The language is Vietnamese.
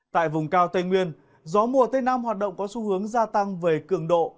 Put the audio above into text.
tại vùng cao tây nguyên gió mùa tây nam hoạt động có xu hướng gia tăng về cường độ